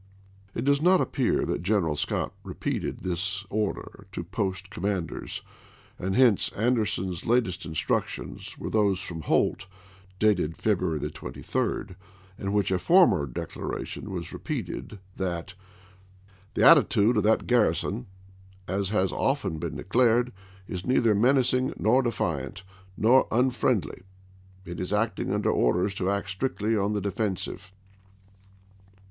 It does not appear that General Scott repeated this order to post com manders ; and hence Anderson's latest instructions were those from Holt, dated February 23, in which a former declaration was repeated that " the atti tude of that garrison, as has often been declared, THE SUMTER EXPEDITION 23 is neither meDacing, nor defiant, nor unfriendly, chap. ii. It is acting under orders to act strictly on the defensive."